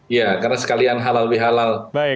iya karena sekalian halal bihalal